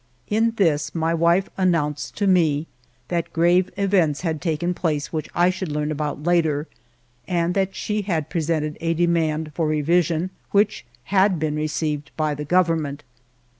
In this my wife announced to me that grave events had taken place which I should learn about later, and that she had pre sented a demand for revision, which had been received by the Government.